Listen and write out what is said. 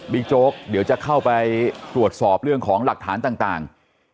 โจ๊กเดี๋ยวจะเข้าไปตรวจสอบเรื่องของหลักฐานต่าง